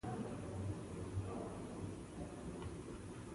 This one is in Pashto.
موږ به سبا دفتر ته لاړ شو.